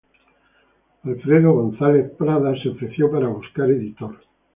Alfredo González Prada se ofreció para buscar editor.